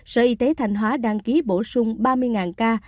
sở y tế thanh hóa đăng ký bổ sung ba mươi ca